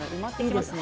いいんですね。